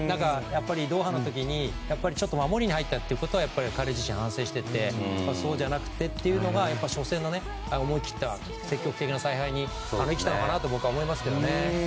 ドーハの時にちょっと守りに入ったってことを彼自身、反省しててそうじゃなくてっていうのが初戦の思い切った積極的な采配に生きたのかなと僕は思いますね。